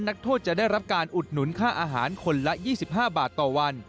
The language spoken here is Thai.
นักโทษจะได้รับการอุดหนุนค่าอาหารคนละ๒๕บาทต่อวัน